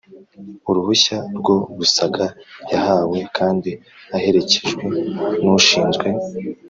Uruhusya rwo gusaka yahawe kandi aherekejwe n’ ushinzwe